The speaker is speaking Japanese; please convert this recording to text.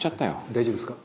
「大丈夫ですか？」